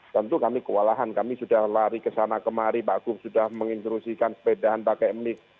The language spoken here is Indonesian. tentu kami kewalahan kami sudah lari ke sana kemari pak guf sudah menginstrusikan sepedahan pakai mix